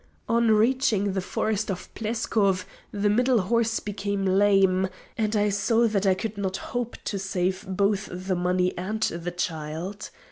On reaching the forest of Pleskov the middle horse became lame, and I saw that I could not hope to save both the money and the child.